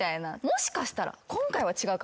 もしかしたら。